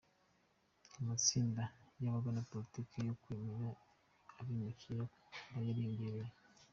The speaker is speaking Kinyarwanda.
Amatsinda yamagana politike yo kwemera abimukira yariyongereye.